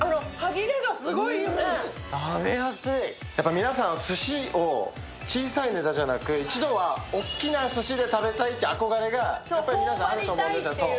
皆さん、すしを小さいネタじゃなく、一度は大きなすしで食べたいって憧れが、皆さんあると思うんですね。